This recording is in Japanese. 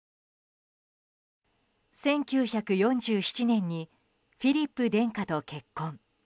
１９４７年にフィリップ殿下と結婚。